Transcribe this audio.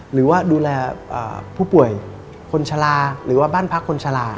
หรือว่าดูแลผู้ป่วยคนชะลาหรือว่าบ้านพักคนชะลา